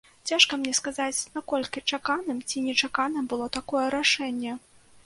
Цяжка мне сказаць, наколькі чаканым ці нечаканым было такое рашэнне.